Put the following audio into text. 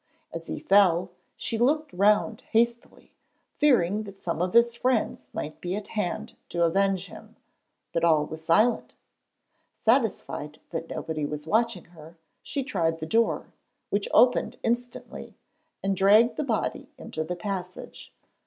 As he fell, she looked round hastily, fearing that some of his friends might be at hand to avenge him, but all was silent. Satisfied that nobody was watching her, she tried the door, which opened instantly, and dragged the body into the passage.